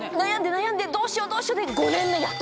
どうしようどうしようで。